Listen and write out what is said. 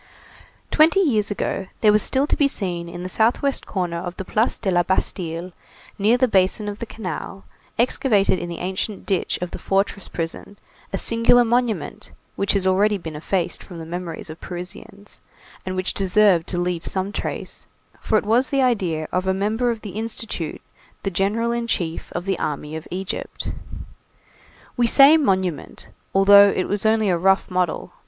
Twenty years ago, there was still to be seen in the southwest corner of the Place de la Bastille, near the basin of the canal, excavated in the ancient ditch of the fortress prison, a singular monument, which has already been effaced from the memories of Parisians, and which deserved to leave some trace, for it was the idea of a "member of the Institute, the General in chief of the army of Egypt." We say monument, although it was only a rough model.